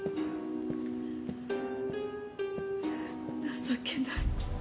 情けない。